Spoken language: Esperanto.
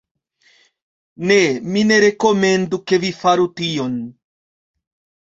Ne, mi ne rekomendu, ke vi faru tion.